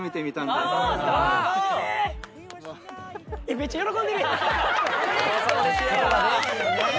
めっちゃ喜んでる！